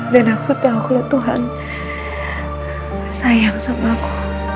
dan aku tau kalau tuhan sayang sama aku